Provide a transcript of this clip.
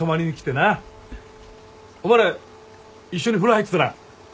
お前ら一緒に風呂入ってたな。